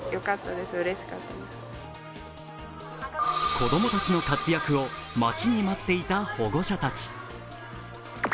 子供たちの活躍を待ちに待っていた保護者たち。